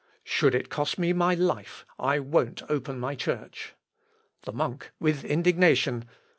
_ "Should it cost me my life, I won't open my church." The Monk (with indignation).